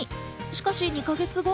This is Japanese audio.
しかし、２か月後。